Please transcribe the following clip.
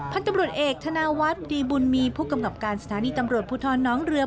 พันธุ์ตำรวจเอกธนาวัฒน์ดีบุญมีผู้กำกับการสถานีตำรวจภูทรน้องเรือ